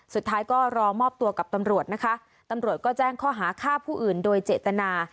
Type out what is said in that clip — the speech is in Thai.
สุดท้ายก็รอมอบตัวกับตำรวจนะคะตำรวจก็แจ้งข้อหาฆ่าผู้อื่นโดยเจตนา